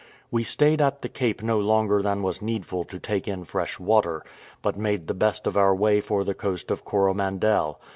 We stayed at the Cape no longer than was needful to take in fresh water, but made the best of our way for the coast of Coromandel.